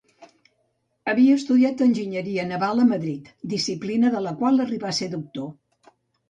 Havia estudiat enginyeria naval a Madrid, disciplina de la qual arribà a ser doctor.